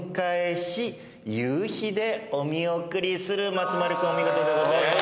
松丸君お見事でございます。